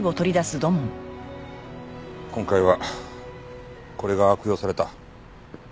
今回はこれが悪用された。